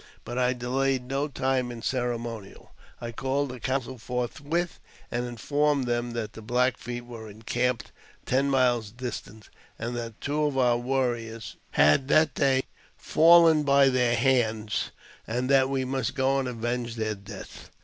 But I delayed no time in cere monial. I called a council forthwith, and informed them that the Black Feet were encamped ten miles distant, that two of our warriors had that day fallen by their hands, and that we JAMES P. BECKWOUBTH. 179 must go and avenge their death.